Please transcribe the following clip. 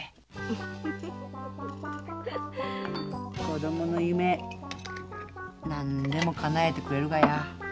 子どもの夢何でもかなえてくれるがや。